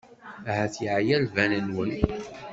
Ahat yeɛya lbal-nwen.